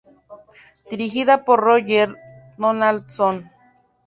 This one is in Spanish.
Dirigida por Roger Donaldson.